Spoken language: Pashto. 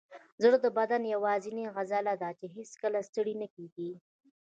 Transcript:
زړه د بدن یوازینی عضله ده چې هیڅکله ستړې نه کېږي.